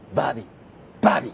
バディ！